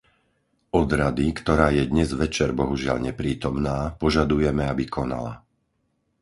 Od Rady, ktorá je dnes večer, bohužiaľ, neprítomná, požadujeme, aby konala.